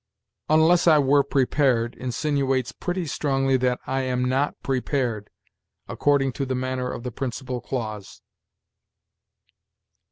"'Unless I were prepared,' insinuates pretty strongly that I am or am not prepared, according to the manner of the principal clause.